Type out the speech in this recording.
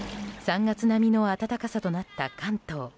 ３月並みの暖かさとなった関東。